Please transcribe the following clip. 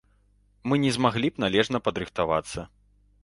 Мы не змаглі б належна падрыхтавацца.